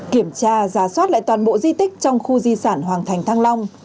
kiểm tra giả soát lại toàn bộ di tích trong khu di sản hoàng thành thăng long